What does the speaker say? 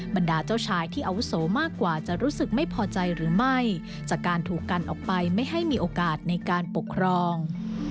บรรดาเจ้าชายที่อาวุโสมากกว่าจะรู้สึกไม่พอใจหรือไม่จากการถูกกันออกไปไม่ให้มีโอกาสในการปกครอง